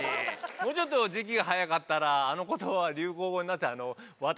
もうちょっと時期が早かったら、あのことばは流行語になっていた。